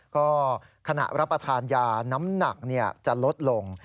ก็ขณะรับประทานยาน้ำหนักจะลดลง